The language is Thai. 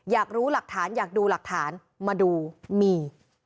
อยากรู้หลักฐานอยากดูหลักฐานมาดูมี